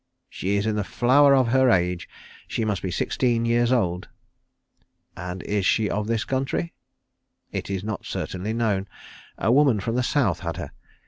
"She is in the flower of her age. She must be sixteen years old." "And is she of this country?" "It is not certainly known. A woman from the South had her.